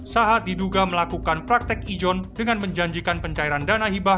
sahat diduga melakukan praktek ijon dengan menjanjikan pencairan dana hibah